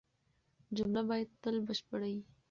جمله باید تل بشپړه يي.